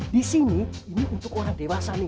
di sini ini untuk orang dewasa nih